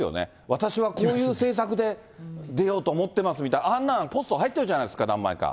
私はこういう政策で出ようと思ってますみたいな、あんなのポスト入ってるじゃないですか、何枚か。